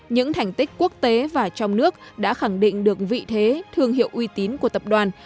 những thành tích quốc tế và trong nước đã khẳng định được vị thế thương hiệu uy tín của tập đoàn